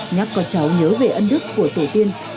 nhắc con cháu nhớ về ân đức của tổ tiên